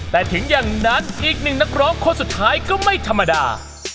แต่ถึงอย่างนั้นอีกหนึ่งนักร้องคนสุดท้ายก็ไม่ธรรมดา